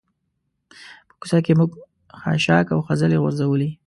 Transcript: په کوڅه کې موږ خاشاک او خځلې غورځولي.